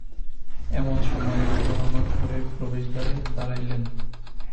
এমন সময়ে মনোরমা ঘরের প্রবেশদ্বারে দাঁড়াইলেন।